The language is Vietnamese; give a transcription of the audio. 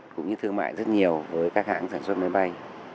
cũng như thương mại rất nhiều với các hãng sản xuất máy bay